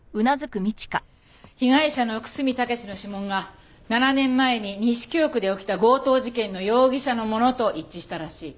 被害者の楠見武の指紋が７年前に西京区で起きた強盗事件の容疑者のものと一致したらしい。